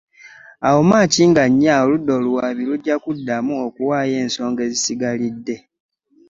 Awo Maaki nga nnya oludda oluwaabi lujja kuddamu okuwaayo ensonga ezisigalidde.